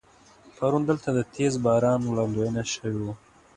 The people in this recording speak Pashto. پرون دلته د تیز باران وړاندوينه شوې وه.